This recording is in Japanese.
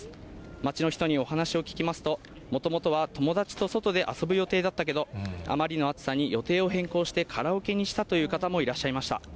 町の人にお話を聞きますと、もともとは友達と外で遊ぶ予定だったけど、あまりの暑さに予定を変更して、カラオケにしたという方もいらっしゃいました。